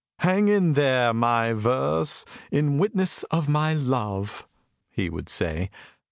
"Hang there, my verse, in witness of my love," he would say.